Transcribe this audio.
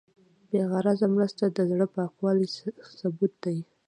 بېغرضه مرسته د زړه پاکوالي ثبوت دی.